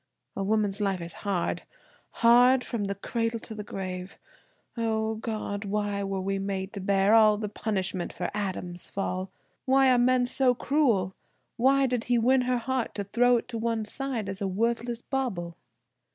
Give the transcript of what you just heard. A woman's life is hard, hard, from the cradle to the grave. O, God! why were we made to bear all the punishment for Adam's fall! Why are men so cruel? Why did he win her heart to throw it one side as a worthless bauble?"